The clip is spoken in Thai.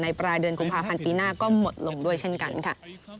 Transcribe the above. ปลายเดือนกุมภาพันธ์ปีหน้าก็หมดลงด้วยเช่นกันค่ะ